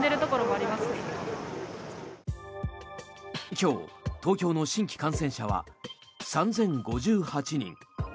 今日、東京の新規感染者は３０５８人。